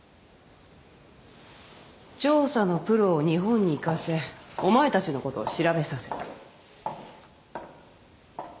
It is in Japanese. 調査のプロを日本に行かせお前たちのことを調べさせた。